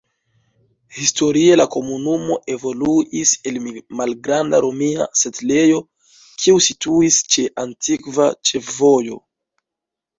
Historie la komunumo evoluis el malgranda romia setlejo, kiu situis ĉe antikva ĉefvojo.